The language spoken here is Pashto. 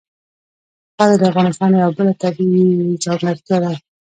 خاوره د افغانستان یوه بله لویه طبیعي ځانګړتیا ده.